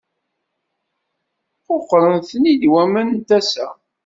Quqṛen-tent-id waman n tasa.